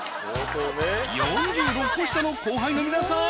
［４６個下の後輩の皆さん